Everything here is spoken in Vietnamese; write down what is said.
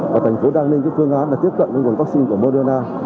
và thành phố đang lên cái phương án là tiếp cận những nguồn vaccine của moderna